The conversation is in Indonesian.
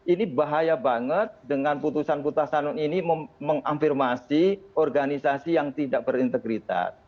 ini bahaya banget dengan putusan putra sanun ini mengamfirmasi organisasi yang tidak berintegritas